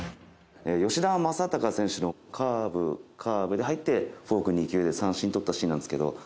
カーブカーブで入ってフォーク２球で三振とったシーンなんですけど。